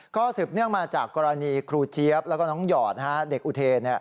ก็สืบเนื่องมาจากกรณีครูเจี๊ยบแล้วก็น้องหยอดเด็กอุเทน